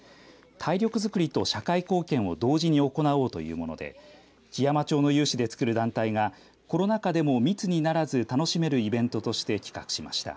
体力づくりと社会貢献を同時に行おうというもので基山町の有志でつくる団体がコロナ禍でも密にならず楽しめるイベントとして企画しました。